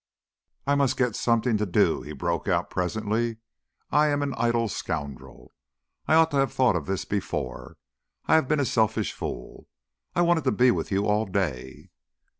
"I must get something to do," he broke out presently. "I am an idle scoundrel. I ought to have thought of this before. I have been a selfish fool. I wanted to be with you all day...."